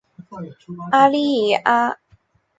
阿利阿。